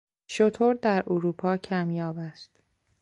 شتر در اروپا کمیاب است.